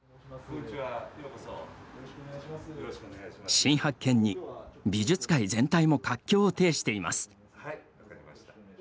新発見に美術界全体も活況を呈しています。